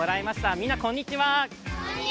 みんな、こんにちは。